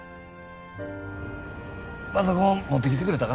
パソコン持ってきてくれたか？